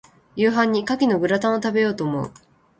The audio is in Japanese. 夕飯に牡蠣のグラタンを、食べようと思う。